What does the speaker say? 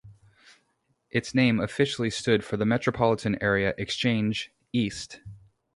Its name officially stood for "Metropolitan Area Exchange, East".